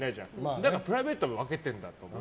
だからプライベートも分けてるんだって。